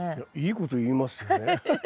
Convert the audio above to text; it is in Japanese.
いいこと言いますね。